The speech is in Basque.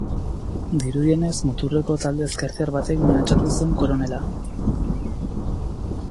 Dirudienez, muturreko talde ezkertiar batek mehatxatu zuen koronela.